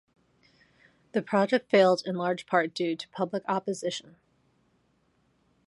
The project failed in large part due to public opposition.